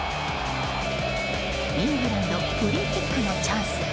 イングランドフリーキックのチャンス。